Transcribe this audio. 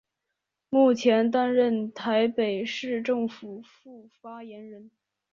目前担任台北市政府副发言人。